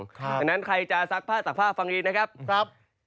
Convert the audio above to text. ดังนั้นใครจะซักผ้าตักผ้าฟังดีนะครับ